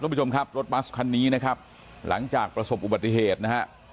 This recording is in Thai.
ผู้ชมครับรถบัสคันนี้นะครับหลังจากประสบอุบัติเหตุนะฮะ